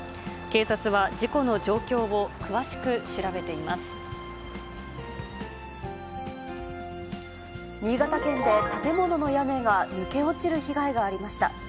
警察は事故の状況を詳しく調べて新潟県で、建物の屋根が抜け落ちる被害がありました。